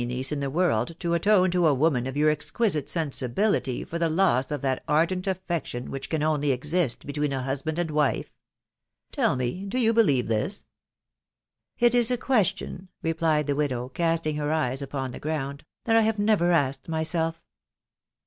niece in the world to atone to a woman of your exquisite sensibility for the loss of that ardent affection which 08 I 1<K> THE WIDOW BARNABY. can only exist between a husband and wife ?•..• Tell me, do you believe this ?"•"' 1 1 is a question/' replied the widow, casting her eya upon the ground, " that I have never asked myself."